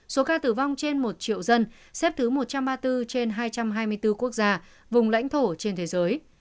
số ca tử vong trên một triệu dân xếp thứ một trăm ba mươi bốn trên hai trăm hai mươi bốn quốc gia vùng lãnh thổ trên thế giới